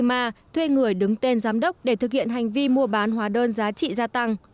ma thuê người đứng tên giám đốc để thực hiện hành vi mua bán hóa đơn giá trị gia tăng